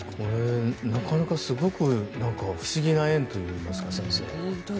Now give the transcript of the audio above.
なかなかすごいというか不思議な縁といいますかね。